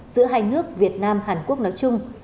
giữa hai nước việt nam hàn quốc nói chung